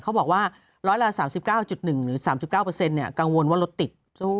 บอกว่าร้อยละ๓๙๑หรือ๓๙กังวลว่ารถติด